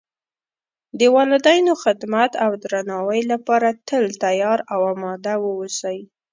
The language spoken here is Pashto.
د والدینو خدمت او درناوۍ لپاره تل تیار او آماده و اوسئ